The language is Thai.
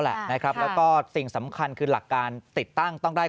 แหละนะครับแล้วก็สิ่งสำคัญคือหลักการติดตั้งต้องได้